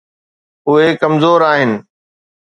اهي ڪمزور آهن.